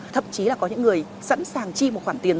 thậm chí là có những người sẵn sàng chi một khoản tiền